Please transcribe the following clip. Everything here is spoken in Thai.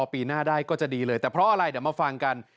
ปีหน้าได้ก็จะดีเลยแต่เพราะอะไรเดี๋ยวมาฟังกัน